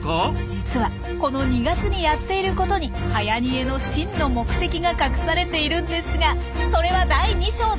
実はこの２月にやっていることにはやにえの真の目的が隠されているんですがそれは第２章で！